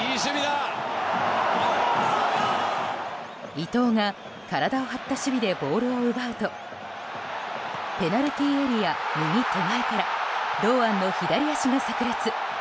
伊東が体を張った守備でボールを奪うとペナルティーエリア右手前から堂安の左足が炸裂。